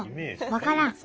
分からん。